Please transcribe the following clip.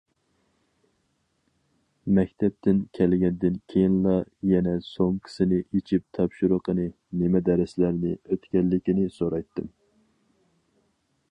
مەكتەپتىن كەلگەندىن كېيىنلا يەنە سومكىسىنى ئېچىپ تاپشۇرۇقىنى، نېمە دەرسلەرنى ئۆتكەنلىكىنى سورايتتىم.